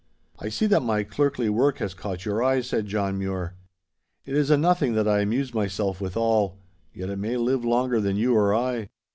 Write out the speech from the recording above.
'I see that my clerkly work has caught your eye,' said John Mure. 'It is a nothing that I amuse myself withal, yet it may live longer than you or I.